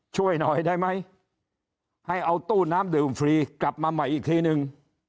ช่วยหน่อยได้ไหมให้เอาตู้น้ำดื่มฟรีกลับมาใหม่อีกทีนึง